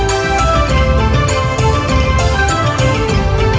โชว์สี่ภาคจากอัลคาซ่าครับ